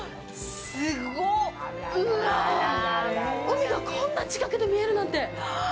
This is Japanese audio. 海がこんな近くで見えるなんて！